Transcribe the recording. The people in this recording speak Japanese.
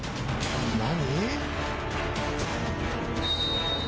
何？